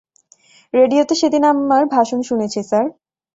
রেডিওতে সেদিন আমার ভাষণ শুনেছি, স্যার।